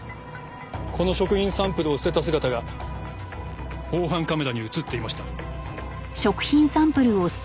この食品サンプルを捨てた姿が防犯カメラに映っていました。